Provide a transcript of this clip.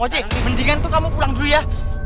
moci mendingan tuh kamu pulang dulu ya